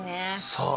そう！